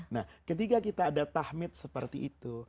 nah ketika kita ada tahmid seperti itu